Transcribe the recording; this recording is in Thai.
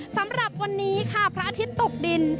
สำหรับวันนี้ค่ะพระอาทิตย์ตกดิน